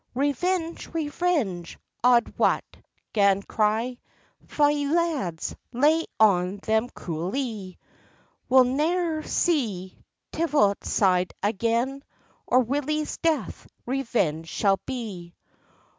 "Revenge! revenge!" auld Wat 'gan cry; "Fye, lads, lay on them cruellie! We'll ne'er see Tiviotside again, Or Willie's death revenged shall be."